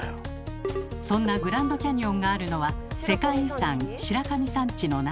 そんなグランドキャニオンがあるのは世界遺産「白神山地」の中。